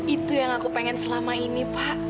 itu yang aku pengen selama ini pak